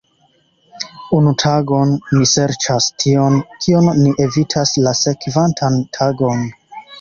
Unu tagon, ni serĉas tion, kion ni evitas la sekvantan tagon.